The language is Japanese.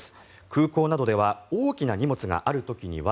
空港などでは大きな荷物がある時には